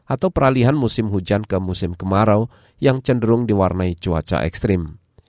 atau peralihan musim hujan ke musim kemarau yang cenderung diwarnai cuaca ekstrem